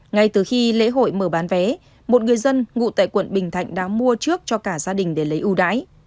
ngay từ khi lễ hội mở bán vé một người dân ngụ tại quận bình thạnh đã mua trước cho cả gia đình để lấy ưu đãi